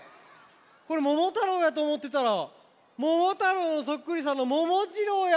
これ「ももたろう」やとおもってたらももたろうのそっくりさんのももじろうや。